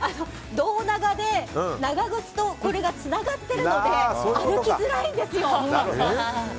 胴長で長靴とこれがつながっているので歩きづらいんですよ。